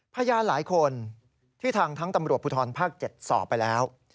พยานหลายคนที่ทางทั้งตำรวจภูทรภาค๗สอบไปแล้ว